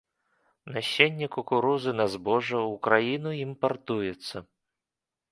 Насенне кукурузы на збожжа ў краіну імпартуецца.